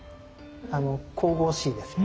神々しいですよね。